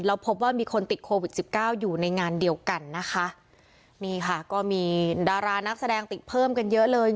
แล้วพบว่ามีคนติดโควิดสิบเก้าอยู่ในงานเดียวกันนะคะนี่ค่ะก็มีดารานักแสดงติดเพิ่มกันเยอะเลย